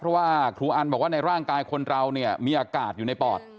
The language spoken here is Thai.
เพราะว่าครูอันบอกว่าในร่างกายคนเราเนี่ยมีอากาศอยู่ในปอด